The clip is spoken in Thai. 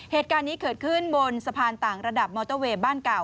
เหตุการณ์นี้เกิดขึ้นบนสะพานต่างระดับมอเตอร์เวย์บ้านเก่า